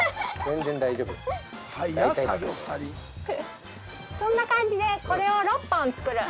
作業２人」こんな感じでこれを６本作る。